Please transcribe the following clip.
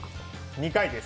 ２回です。